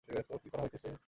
কী পড়া হইতেছে।